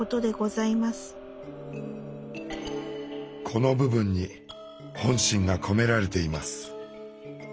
この部分に本心が込められています。